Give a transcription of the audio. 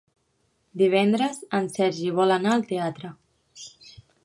Divendres en Sergi vol anar al teatre.